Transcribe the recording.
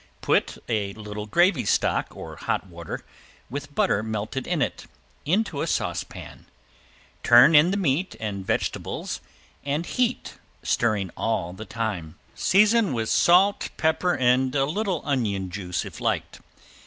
Put a little gravy stock or hot water with butter melted in it, into a saucepan, turn in the meat and vegetables and heat, stirring all the time. Season with salt, pepper, and a little onion juice if liked.